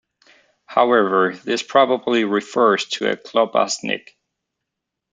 However, this probably refers to a klobasnek.